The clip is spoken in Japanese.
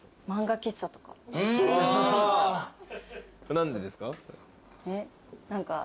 何でですか？